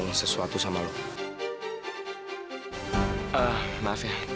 nggak tekan buka gantung baru